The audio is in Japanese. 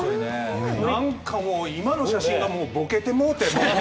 なんか今の写真がボケてもうて。